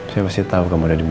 saya pasti tau kamu ada dimana